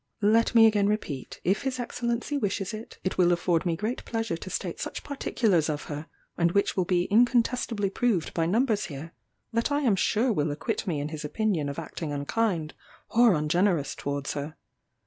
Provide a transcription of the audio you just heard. "Let me again repeat, if his Excellency wishes it, it will afford me great pleasure to state such particulars of her, and which will be incontestably proved by numbers here, that I am sure will acquit me in his opinion of acting unkind or ungenerous towards her.